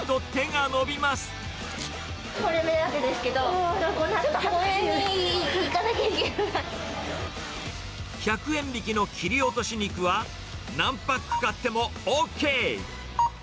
これ目当てですけど、１００円引きの切り落とし肉は、何パック買ってもＯＫ。